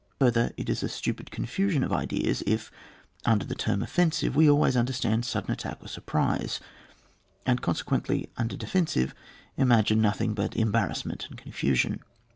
Further, it is a stupid confusion of ideas if, under the term offensive, we always understand sudden attack or surprise, and conse quently under defensive imagine nothing but embarrassment and confusion.